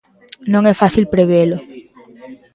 Non é fácil prevelo.